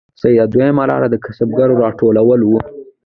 دویمه لار د کسبګرو راټولول وو